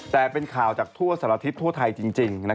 แต่เป็นข่าวจากทั่วสารทิศทั่วไทยจริง